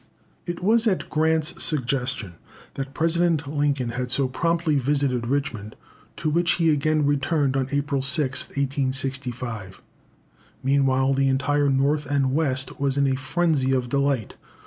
It was at Grant's suggestion that President Lincoln had so promptly visited Richmond, to which he again returned on April 6th, 1865. Meanwhile, the entire North and West was in a frenzy of delight.